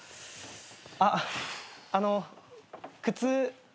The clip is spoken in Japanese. あっあのう靴。